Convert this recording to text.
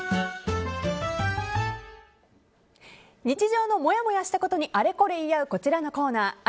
日常のもやもやしたことにあれこれ言い合うこちらのコーナー